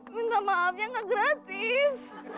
minta maafnya enggak gratis